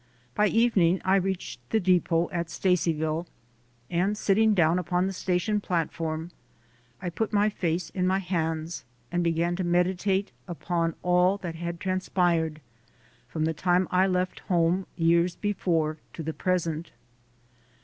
By evening I reached the depot at Stacyville, and sitting down upon the station platform I put my face in my hands and began to meditate upon all that had transpired from the time I left home years before to the present.